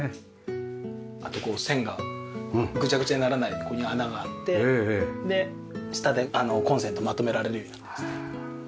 あとこう線がぐちゃぐちゃにならないここに穴があって下でコンセントまとめられるようになってますね。